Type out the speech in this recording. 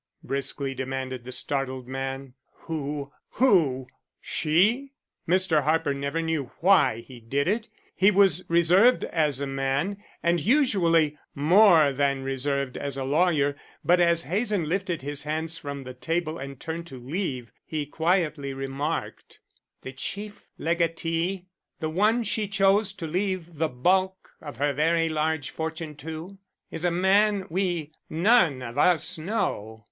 briskly demanded the startled man. "Who? who? She?" Mr. Harper never knew why he did it. He was reserved as a man and, usually, more than reserved as a lawyer, but as Hazen lifted his hands from the table and turned to leave, he quietly remarked: "The chief legatee the one she chose to leave the bulk of her very large fortune to is a man we none of us know.